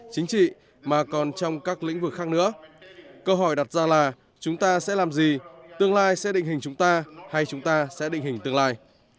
chính trị mà còn trong các lĩnh vực khác nữa câu hỏi đặt ra là chúng ta sẽ làm gì tương lai sẽ định hình chúng ta hay chúng ta sẽ định hình tương lai